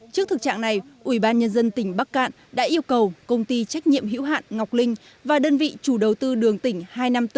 trước thực trạng này ủy ban nhân dân tỉnh bắc cạn đã yêu cầu công ty trách nhiệm hữu hạn ngọc linh và đơn vị chủ đầu tư đường tỉnh hai trăm năm mươi bốn